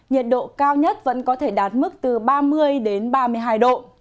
nhiệt độ cao nhất vẫn có thể đạt mức từ ba mươi đến ba mươi hai độ